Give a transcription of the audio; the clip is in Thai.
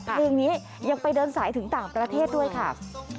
เพลงนี้ยังไปเดินสายถึงต่างประเทศด้วยค่ะ